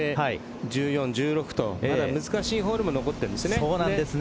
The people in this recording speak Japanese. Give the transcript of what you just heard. １４、１６とまだ難しいホールも残っているんですよね。